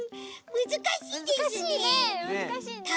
むずかしいですね。